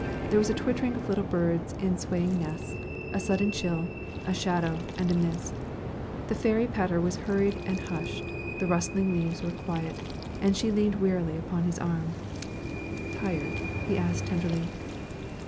There was a twittering of little birds in swaying nests, a sudden chill, a shadow, and a mist. The fairy patter was hurried and hushed, the rustling leaves were quiet, and she leaned wearily upon his arm. "Tired?" he asked tenderly.